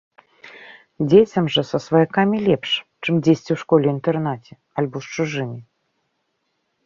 Дзецям жа са сваякамі лепш, чым дзесьці ў школе-інтэрнаце альбо з чужымі.